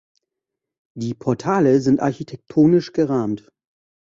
Die Portale sind architektonisch gerahmt.